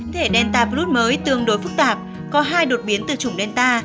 thể delta virus mới tương đối phức tạp có hai đột biến từ chủng delta